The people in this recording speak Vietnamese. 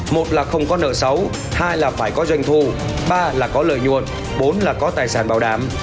một là không có nợ xấu hai là phải có doanh thu ba là có lợi nhuận bốn là có tài sản bảo đảm